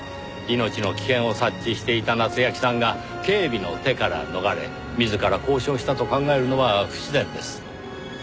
命の危険を察知していた夏焼さんが警備の手から逃れ自ら交渉したと考えるのは不自然です。